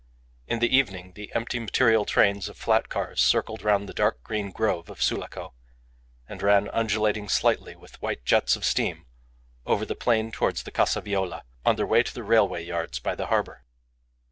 In the evening the empty material trains of flat cars circled round the dark green grove of Sulaco, and ran, undulating slightly with white jets of steam, over the plain towards the Casa Viola, on their way to the railway yards by the harbour.